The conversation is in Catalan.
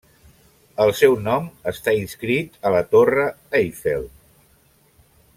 El seu nom està inscrit a la torre Eiffel.